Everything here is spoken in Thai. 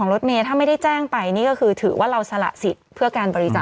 โดเนทไปเลยถูกต้องไหมครับ